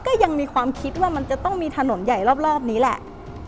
ก็ยังมีความคิดว่ามันจะต้องมีถนนใหญ่รอบนี้แหละ